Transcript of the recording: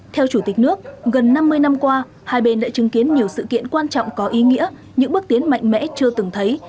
theo chủ tịch nước gần năm mươi năm qua hai bên đã chứng kiến nhiều sự kiện quan trọng có ý nghĩa những bước tiến mạnh mẽ chưa từng thấy